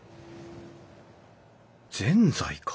ぜんざいか。